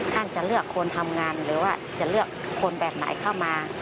ท่านจะเลือกคนทำงานหรือว่าจะเลือกคนแบบไหนเข้ามา